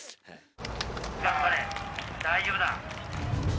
頑張れ、大丈夫だ。